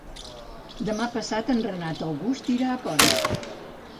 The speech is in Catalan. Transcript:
Demà passat en Renat August irà a Ponts.